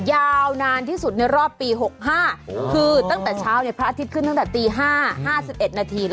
ยาวนานที่สุดในรอบปี๖๕คือตั้งแต่เช้าพระอาทิตย์ขึ้นตั้งแต่ตี๕๕๑นาที